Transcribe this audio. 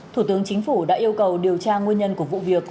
thủ tướng chính phủ đã yêu cầu điều tra nguyên nhân của vụ việc